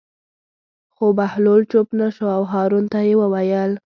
خو بهلول چوپ نه شو او هارون ته یې وویل.